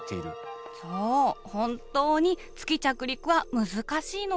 本当に月着陸は難しいの。